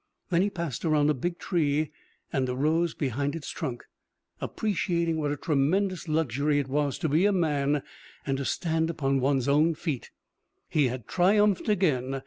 Then he passed around a big tree and arose behind its trunk, appreciating what a tremendous luxury it was to be a man and to stand upon one's own feet. He had triumphed again!